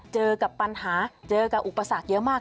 เจอกับปัญหาเจอกับอุปสรรคเยอะมาก